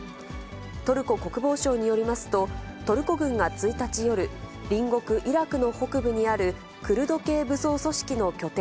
トルコ国防省によりますと、トルコ軍が１日夜、隣国イラクの北部にあるクルド系武装組織の拠点